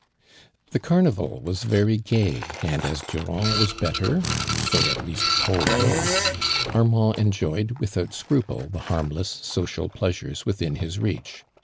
The carnival was very gay, and as Durand was better, so at least Paul wrote, Armand enjoyed without scruple the harmless social pleasures within his reach.